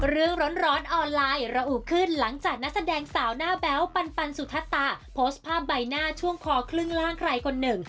ร้อนออนไลน์ระอุขึ้นหลังจากนักแสดงสาวหน้าแบ๊วปันสุธตาโพสต์ภาพใบหน้าช่วงคอครึ่งล่างใครคนหนึ่ง